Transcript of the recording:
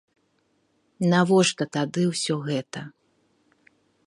Навошта тады ўсё гэта?